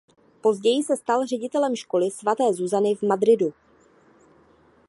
Později se stal ředitelem školy svaté Zuzany v Madridu.